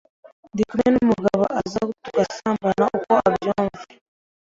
ndi kumwe n’umugabo aza tugasambana uko abyumva